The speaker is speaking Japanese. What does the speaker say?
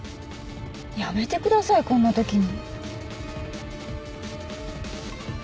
やめてくださいこんな時に。